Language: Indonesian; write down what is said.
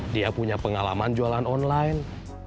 dia punya pengalaman jualan online